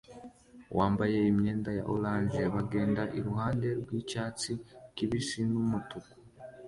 wambaye imyenda ya orange bagenda iruhande rwicyatsi kibisi n'umutuku